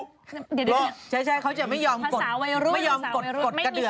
เดี๋ยวเขาจะไม่ยอมกด